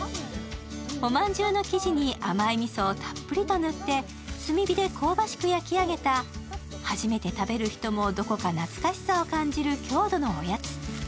おまんじゅうの生地に甘いみそをたっぷりと塗って炭火で香ばしく焼き上げた初めて食べる人もどこか懐かしく感じる郷土のおやつ。